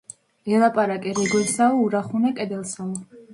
ელაპარაკე რეგვენსაო, ურახუნე კედელსაო